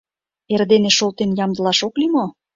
Эрдене шолтен ямдылаш ок лий мо?